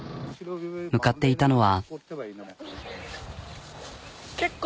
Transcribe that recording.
向かっていたのは。